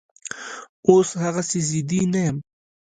اوس هغسې ضدي نه یم